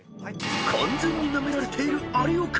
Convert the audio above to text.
［完全にナメられている有岡］